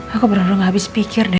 aku bener bener gak habis pikir